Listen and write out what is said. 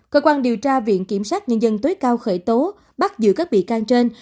cơ quan điều tra viện kiểm sát nhân dân tối cao khởi tố bắt giữ các bị can trên